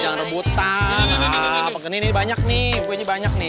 jangan rebutan pegang ini ini banyak nih kue ini banyak nih